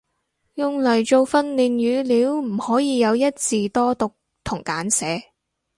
用嚟做訓練語料唔可以有一字多讀同簡寫